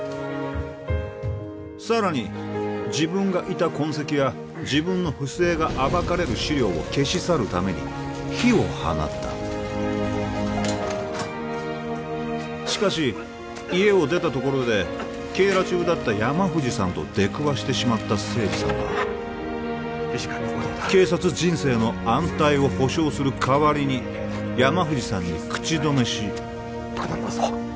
さらに自分がいた痕跡や自分の不正が暴かれる資料を消し去るために火を放ったしかし家を出たところで警ら中だった山藤さんと出くわしてしまった清二さんは理事官の護道だ警察人生の安泰を保障する代わりに山藤さんに口止めし頼んだぞ